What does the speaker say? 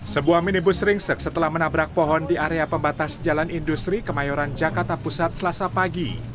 sebuah minibus ringsek setelah menabrak pohon di area pembatas jalan industri kemayoran jakarta pusat selasa pagi